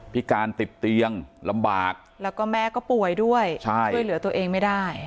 พิการติดเตียงลำบากแล้วก็แม่ก็ป่วยด้วยช่วยเหลือตัวเองไม่ได้